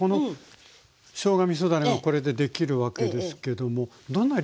しょうがみそだれがこれでできるわけですけどもどんな料理に？